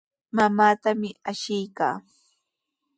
Mamaatami ashiykaa.